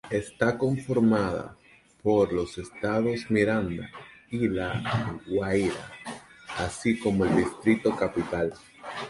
Está conformada por los estados Miranda y La Guaira, así como el Distrito Capital.